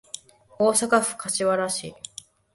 大阪府柏原市